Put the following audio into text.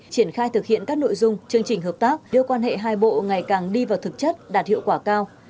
triển khai thực hiện các nội dung chương trình hợp tác đưa quan hệ hai bộ ngày càng đi vào thực chất đạt hiệu quả cao